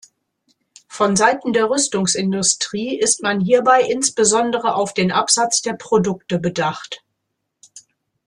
Von Seiten der Rüstungsindustrie ist man hierbei insbesondere auf den Absatz der Produkte bedacht.